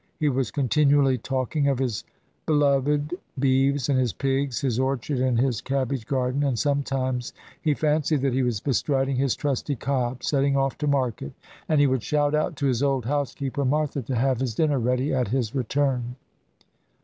He was continually talking of his beloved beeves and his pigs, his orchard and his cabbage garden, and sometimes he fancied that he was bestriding his trusty cob, setting off to market, and he would shout out to his old housekeeper, Martha, to have his dinner ready at his return.